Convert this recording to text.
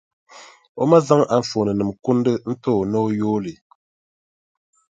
O ma zaŋ anfooninima kundi n-ti o, ni o yooi li.